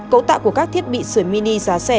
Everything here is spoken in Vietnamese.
cấu tạo của các thiết bị sửa mini giá rẻ